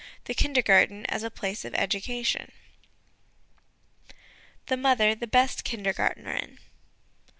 THE KINDERGARTEN AS A PLACE OF EDUCATION The Mother the best Kindergartnerin.